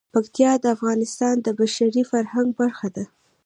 پکتیکا د افغانستان د بشري فرهنګ برخه ده.